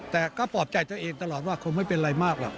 แต่ก็ปลอบใจตัวเองตลอดว่าคงไม่เป็นไรมากหรอก